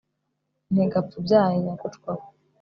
nti gapfe ubyaye, nyagucwa we